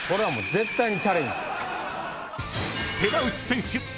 ［寺内選手